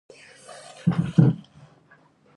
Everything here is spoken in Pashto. عجز او کمیني د بې ځای تکبر نه وه غالبه.